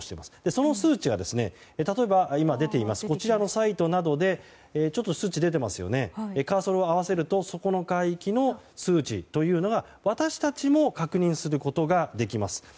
その数値は例えばこちらのサイトなどでカーソルを合わせるとそこの海域の数値というのが私たちも確認することができます。